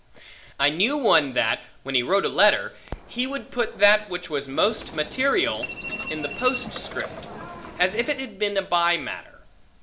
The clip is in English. I knew one that, when he wrote a letter, he would put that, which was most material, in the postscript, as if it had been a by matter.